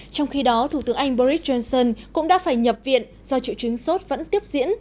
trong khi đó thủ tướng anh boris johnson cũng đã phải nhập viện do triệu chứng sốt vẫn tiếp diễn